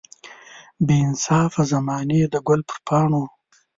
بې انصافه زمانې د ګل پر پاڼو.